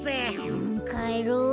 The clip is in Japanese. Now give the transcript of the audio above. うんかえろう。